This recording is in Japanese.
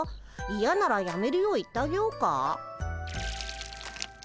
いやならやめるよう言ってあげようか？